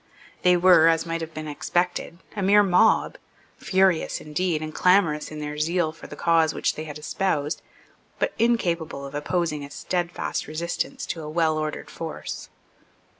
They were, as might have been expected, a mere mob, furious indeed and clamorous in their zeal for the cause which they had espoused, but incapable of opposing a stedfast resistance to a well ordered force.